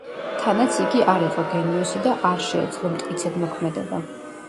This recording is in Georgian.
თანაც იგი არ იყო გენიოსი და არ შეეძლო მტკიცედ მოქმედება.